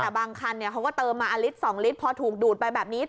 แต่บางคันเขาก็เติมมาลิตร๒ลิตรพอถูกดูดไปแบบนี้